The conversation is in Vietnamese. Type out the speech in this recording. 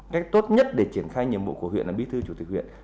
cách tốt nhất để triển khai nhiệm vụ của huyện là bí thư chủ tịch huyện